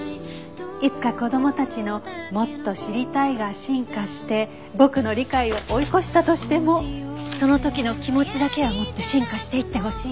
「いつか子供たちの“もっと知りたい”が進化して僕の理解を追い越したとしてもその時の気持ちだけは持って進化していって欲しい」